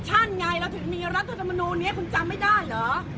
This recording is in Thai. ไงเราถึงมีรัฐธรรมนูลนี้คุณจำไม่ได้เหรอ